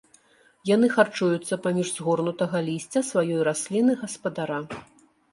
Яны харчуюцца паміж згорнутага лісця сваёй расліны-гаспадара.